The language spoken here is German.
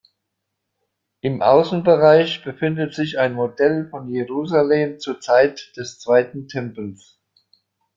Im Außenbereich befindet sich ein Modell von Jerusalem zur Zeit des zweiten Tempels.